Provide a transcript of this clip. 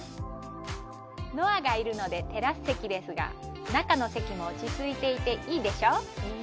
ノアがいるのでテラス席ですが中の席も落ちついていていいでしょ？